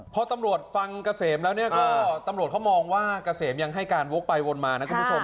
พอตำรวจฟังเกษมแล้วเนี่ยก็ตำรวจเขามองว่าเกษมยังให้การวกไปวนมานะคุณผู้ชม